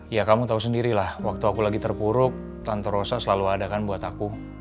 ya kamu tau sendirilah waktu aku lagi terpuruk tante rosa selalu ada kan buat aku